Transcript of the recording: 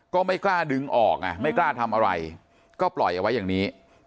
ก็ไม่กล้าดึงออกไม่กล้าทำอะไรก็ปล่อยเอาไว้อย่างนี้